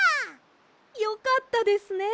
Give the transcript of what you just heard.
よかったですね。